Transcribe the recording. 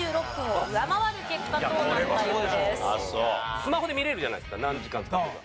スマホで見れるじゃないですか何時間使ってるか。